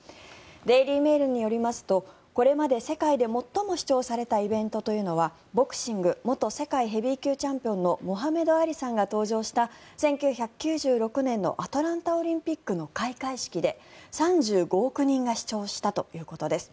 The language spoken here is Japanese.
デイリー・メールによりますとこれまで世界で最も視聴されたイベントというのはボクシング元世界ヘビー級チャンピオンのモハメド・アリさんが登場した１９９６年のアトランタオリンピックの開会式で３５億人が視聴したということです。